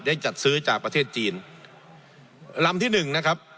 จัดซื้อจากประเทศจีนลำที่หนึ่งนะครับ